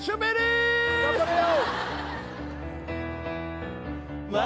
頑張れよ！